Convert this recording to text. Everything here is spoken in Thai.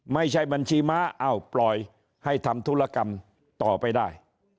ไม่ใช่บัญชีม้าอ้าวปล่อยให้ทำธุรกรรมต่อไปได้